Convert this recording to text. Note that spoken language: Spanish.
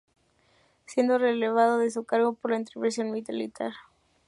Siendo relevado de su cargo por la intervención militar.